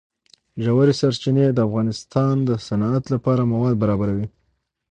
ژورې سرچینې د افغانستان د صنعت لپاره مواد برابروي.